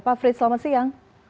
pak frits selamat siang